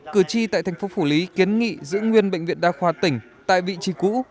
cử tri tại thành phố phủ lý kiến nghị giữ nguyên bệnh viện đa khoa tỉnh tại vị trí cũ